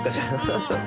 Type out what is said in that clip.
ハハハッ。